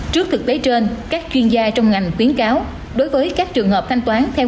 trước thực tế trên các chuyên gia trong ngành khuyến cáo đối với các trường hợp thanh toán theo